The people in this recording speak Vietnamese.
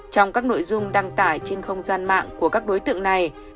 trong các nội dung đăng tải trên không gian mạng của các đối tượng này